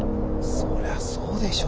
そりゃそうでしょ。